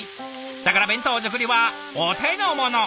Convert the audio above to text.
だから弁当作りはお手の物。